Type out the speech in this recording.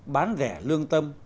bán rẻ lương tâm